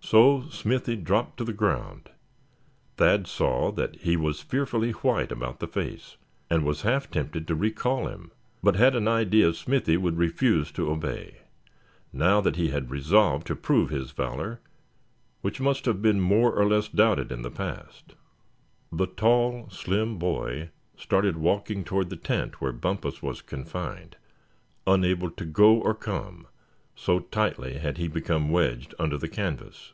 So Smithy dropped to the ground. Thad saw that he was fearfully white about the face, and was half tempted to recall him; but had an idea Smithy would refuse to obey, now that he had resolved to prove his valor, which must have been more or less doubted in the past. The tall, slim boy started walking toward the tent where Bumpus was confined, unable to go or come, so tightly had he become wedged under the canvas.